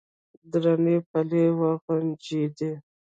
درنې پلې وغنجېدې.